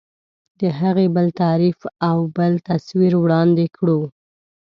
د هغې بل تعریف او بل تصویر وړاندې کړو.